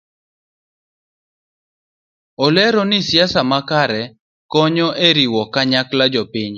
Olero ni siasa makare konyo e riwo kanyakla jopiny